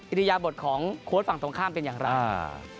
ริยาบทของโค้ดฝั่งตรงข้ามเป็นอย่างไร